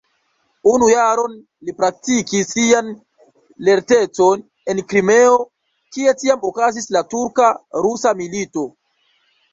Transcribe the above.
Unu jaron li praktikis sian lertecon en Krimeo, kie tiam okazis la turka-rusa milito.